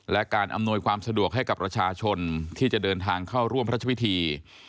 และการอำนวยความสะดวกให้กับประชาชนที่จะเดินทางเข้าร่วมพระราชพิธี